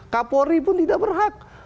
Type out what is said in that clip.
kapolri pun tidak berhak